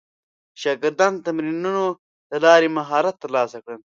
شاګردان د تمرینونو له لارې مهارت ترلاسه کړل.